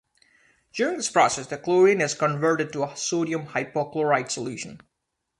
During this process, the chlorine is converted to a sodium hypochlorite solution.